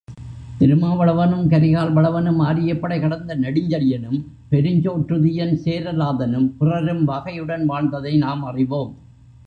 திருமாவளவனும், கரிகால்வளவனும், ஆரியப்படை கடந்த நெடுஞ்செழியனும், பெருஞ்சோற்றுதியன் சேரலாதனும், பிறரும் வாகையுடன் வாழ்ந்ததை நாம் அறிவோம்.